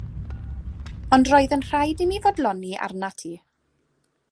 Ond roedd yn rhaid i mi fodloni arnat ti.